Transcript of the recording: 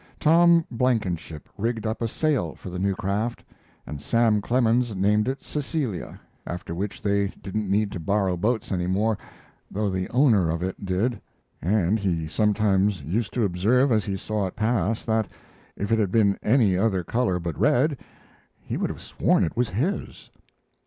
Tom Blankenship rigged up a sail for the new craft, and Sam Clemens named it Cecilia, after which they didn't need to borrow boats any more, though the owner of it did; and he sometimes used to observe as he saw it pass that, if it had been any other color but red, he would have sworn it was his.